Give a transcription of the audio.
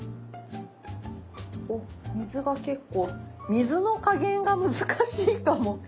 お水が結構水の加減が難しいかも。